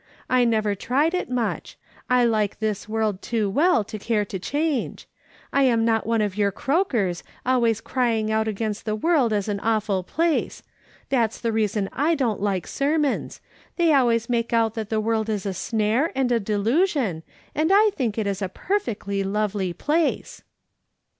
I never tried it much ; I like this world too well to care to change. I am not one of your croakers, always crying out against the world as an awful place ; that's the reason I don^t like sermons ; they always make out that the world is a snare and a delusion, and I think it is a perfectly lovely place."